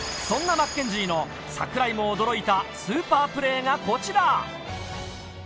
そのマッケンジーの櫻井も驚いたスーパープレーがこちら。